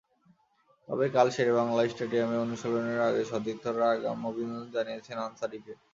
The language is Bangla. তবে কাল শেরেবাংলা স্টেডিয়ামে অনুশীলনের আগে সতীর্থরা আগাম অভিনন্দন জানিয়েছেন আনসারিকে।